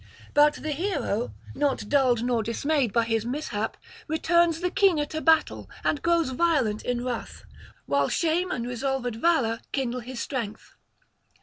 But the hero, not dulled nor dismayed by his mishap, returns the keener to battle, and grows violent in wrath, while shame and resolved valour kindle his strength.